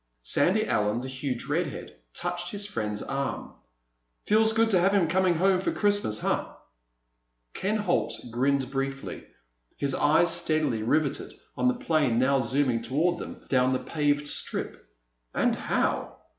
Sandy Allen, the huge redhead, touched his friend's arm. "Feels good to have him coming home for Christmas, huh?" Ken Holt grinned briefly, his eyes steadily riveted on the plane now zooming toward them down the paved strip. "And how!"